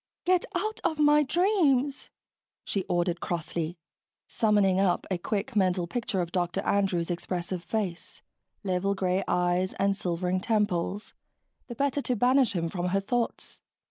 "Get out of my dreams," she ordered crossly, summoning up a quick mental picture of Dr. Andrews' expressive face, level gray eyes, and silvering temples, the better to banish him from her thoughts.